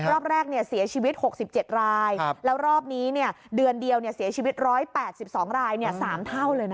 รอบแรกเสียชีวิต๖๗รายแล้วรอบนี้เดือนเดียวเสียชีวิต๑๘๒ราย๓เท่าเลยนะ